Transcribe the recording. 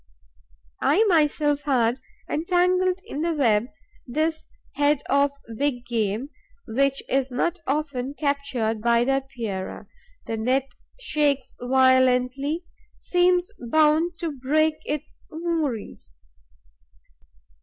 I myself had entangled in the web this head of big game, which is not often captured by the Epeirae. The net shakes violently, seems bound to break its moorings.